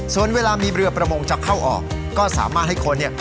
ส่วนเวลามีเรือประมงจะเข้าออกก็สามารถให้คนเนี่ย